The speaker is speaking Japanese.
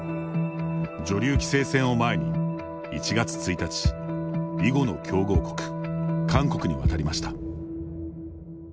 女流棋聖戦を前に１月１日、囲碁の強豪国韓国に渡りました。